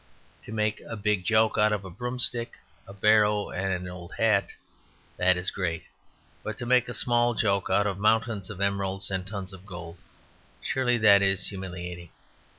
To make a big joke out of a broomstick, a barrow and an old hat that is great. But to make a small joke out of mountains of emeralds and tons of gold surely that is humiliating!